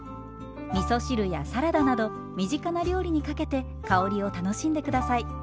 みそ汁やサラダなど身近な料理にかけて香りを楽しんで下さい。